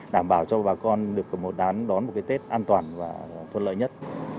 đảm bảo cho bà con được đón một cái tết an toàn và thuận lợi nhất